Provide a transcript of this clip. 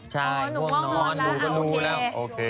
ใช่ง่วงนอนแล้วอ๋อโอเค